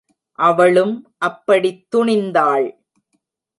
அவளும் அப்படித் துணிந்தாள்.